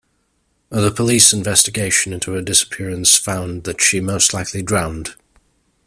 The police investigation into her disappearance found that she most likely drowned.